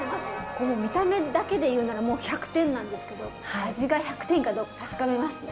この見た目だけで言うならもう１００点なんですけど味が１００点かどうか確かめますね。